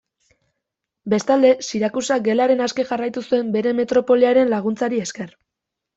Bestalde, Sirakusak Gelaren aske jarraitu zuen bere metropoliaren laguntzari esker.